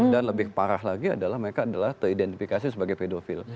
lebih parah lagi adalah mereka adalah teridentifikasi sebagai pedofil